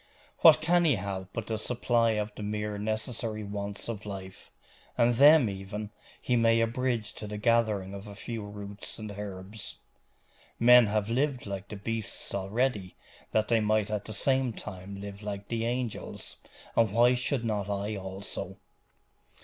'What can he have but the supply of the mere necessary wants of life? and them, even, he may abridge to the gathering of a few roots and herbs. Men have lived like the beasts already, that they might at the same time live like the angels and why should not I also?